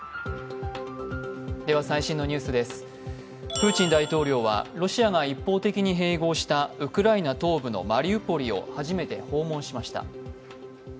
プーチン大統領はロシアが一方的に併合したウクライナ東部のマリウポリを初めて訪問しました。